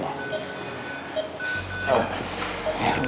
kalian semua tapi